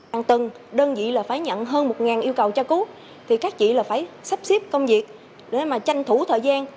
hằng tuần đơn vị là phải nhận hơn một yêu cầu tra cứu thì các chị là phải sắp xếp công việc để mà tranh thủ thời gian